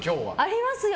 ありますよ！